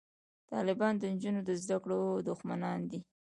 طالبان د نجونو د زده کړو دښمنان دي